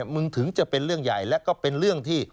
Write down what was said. ถึงจะเป็นเรื่องใหญ่และก็เป็นเรื่องที่